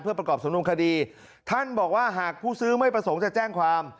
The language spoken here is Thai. ประกอบสำนวนคดีท่านบอกว่าหากผู้ซื้อไม่ประสงค์จะแจ้งความ